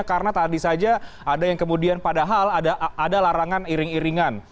karena tadi saja ada yang kemudian padahal ada larangan iring iringan